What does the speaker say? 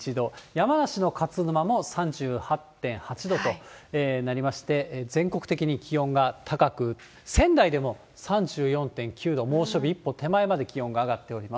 山梨の勝沼も３８．８度となりまして、全国的に気温が高く、仙台でも３４．９度、猛暑日一歩手前まで気温が上がっております。